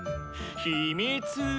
ひみつ。